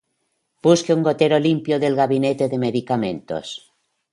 Busque un gotero limpio del gabinete de medicamentos.